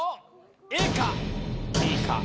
ＡかＢか。